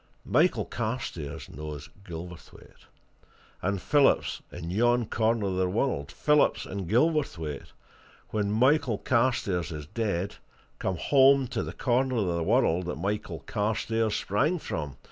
Michael Carstairs knows Gilverthwaite and Phillips in yon corner of the world Phillips and Gilverthwaite, when Michael Carstairs is dead, come home to the corner of the world that Michael Carstairs sprang from.